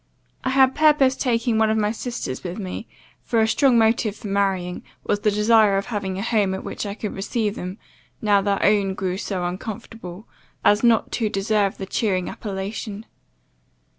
I had purposed taking one of my sisters with me; for a strong motive for marrying, was the desire of having a home at which I could receive them, now their own grew so uncomfortable, as not to deserve the cheering appellation.